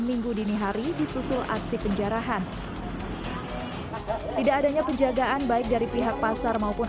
minggu dini hari disusul aksi penjarahan tidak adanya penjagaan baik dari pihak pasar maupun